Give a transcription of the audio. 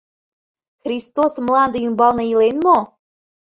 ХРИСТОС МЛАНДЕ ӰМБАЛНЕ ИЛЕН МО?